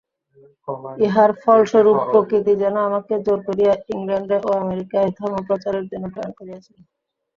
ইহার ফলস্বরূপ প্রকৃতি যেন আমাকে জোর করিয়া ইংলণ্ডে ও আমেরিকায় ধর্মপ্রচারের জন্য প্রেরণ করিয়াছিল।